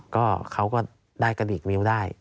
ก็เขาก็ได้กระดิกนิ้วได้